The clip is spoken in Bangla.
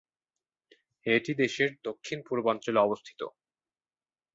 এটি দেশের দক্ষিণ-পূর্বাঞ্চলে অবস্থিত।